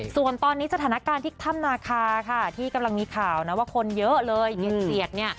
ส่วนตอนนี้สถานการณ์ที่ถ้ำนาคาค่ะที่กำลังมีข่าวนะว่าคนเยอะเลยเหยียดเสียดเนี่ย